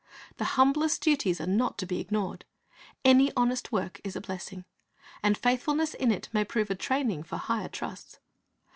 The humblest duties, are not to be ignored. Any honest work is a blessing, and faithfulness in it may prove a training for higher trusts.